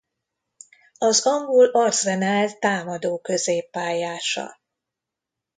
Az angol Arsenal támadó középpályása.